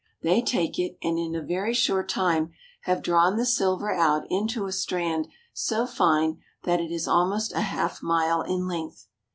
They take it, and in a very short time have drawn the silver out into a strand so fine that it is almost a half mile in length.